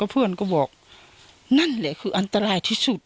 เพื่อนก็บอกนั่นแหละคืออันตรายที่สุด